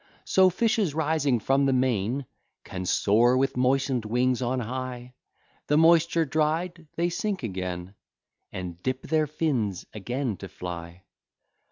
So fishes, rising from the main, Can soar with moisten'd wings on high; The moisture dried, they sink again, And dip their fins again to fly.